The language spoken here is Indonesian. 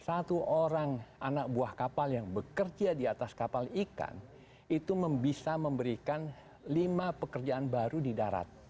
satu orang anak buah kapal yang bekerja di atas kapal ikan itu bisa memberikan lima pekerjaan baru di darat